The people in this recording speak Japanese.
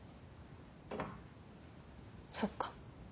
そっか。